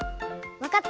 わかった！